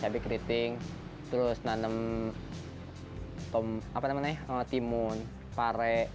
cabai keriting terus nanem timun pare